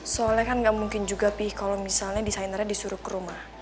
soalnya kan gak mungkin juga pi kalo misalnya designernya disuruh ke rumah